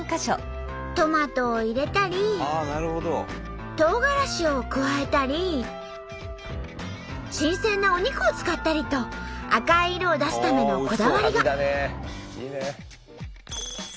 トマトを入れたりトウガラシを加えたり新鮮なお肉を使ったりと赤い色を出すためのこだわりが。